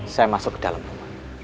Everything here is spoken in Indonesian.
saya masuk ke dalam rumah